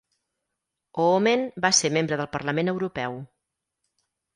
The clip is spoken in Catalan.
Oomen va ser membre del Parlament Europeu.